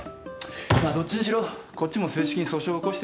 まっどっちにしろこっちも正式に訴訟を起こしてるわけじゃない。